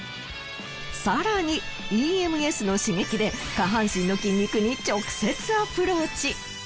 更にＥＭＳの刺激で下半身の筋肉に直接アプローチ。